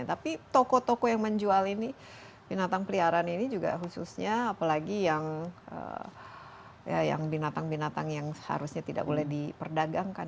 tapi toko toko yang menjual ini binatang peliharaan ini juga khususnya apalagi yang binatang binatang yang seharusnya tidak boleh diperdagangkan